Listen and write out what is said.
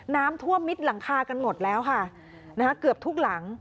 น้ำท่วมมิดหลังคากันหมดแล้วค่ะนะคะเกือบทุกหลัง